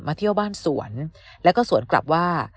เที่ยวบ้านสวนแล้วก็สวนกลับว่า